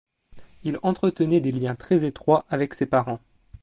Il entretenait des liens très étroits avec ses parents.